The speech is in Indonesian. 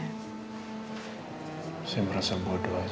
ayo jangan takut takut